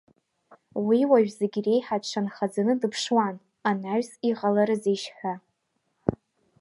Уи уажә зегь реиҳа дшанхаӡаны дыԥшуан, анаҩс иҟаларызеишь ҳәа.